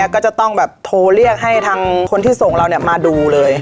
ก็จะต้องโทเรียกให้ทั้งคนที่ส่งเราเนี่ยมาดูเลย